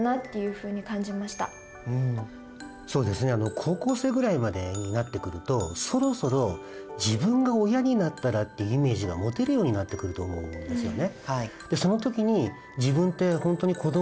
高校生ぐらいまでになってくるとそろそろ自分が親になったらってイメージが持てるようになってくると思うんですよね。